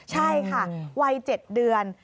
ใช่ค่ะวัย๗เดือน